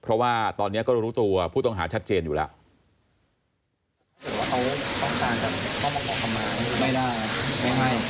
เพราะว่าตอนนี้ก็รู้ตัวผู้ต้องหาชัดเจนอยู่แล้ว